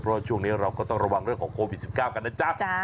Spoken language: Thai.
เพราะว่าช่วงนี้เราก็ต้องระวังเรื่องของโควิด๑๙กันนะจ๊ะ